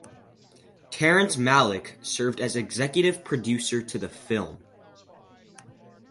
Terrence Malick served as executive producer to the film.